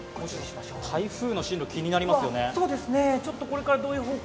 台風の進路、気になりますよね。